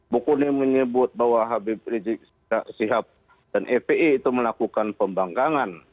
bu kony menyebut bahwa habib rizieq sihab dan epa itu melakukan pembangkangan